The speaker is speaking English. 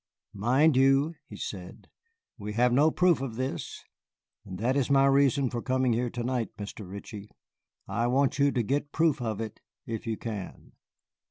"Mind you," he said, "we have no proof of this, and that is my reason for coming here to night, Mr. Ritchie. I want you to get proof of it if you can."